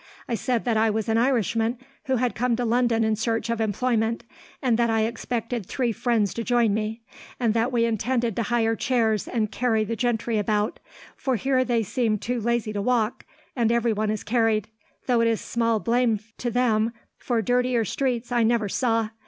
I said that I was an Irishman who had come to London in search of employment, and that I expected three friends to join me, and that we intended to hire chairs and carry the gentry about, for here they seem too lazy to walk, and everyone is carried; though it is small blame to them, for dirtier streets I never saw.